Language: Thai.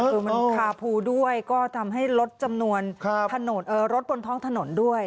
คือมันคาพูด้วยก็ทำให้ลดจำนวนถนนรถบนท้องถนนด้วย